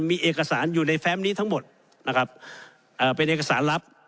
มีเอกสารอยู่ในแฟมนี้ทั้งหมดนะครับเอ่อเป็นเอกสารลับ